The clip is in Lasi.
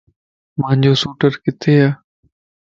مانجو سوٽر ڪٿي ا؟